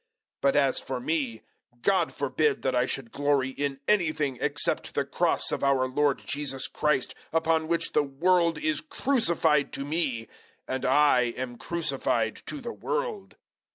006:014 But as for me, God forbid that I should glory in anything except the Cross of our Lord Jesus Christ, upon which the world is crucified to me, and I am crucified to the world.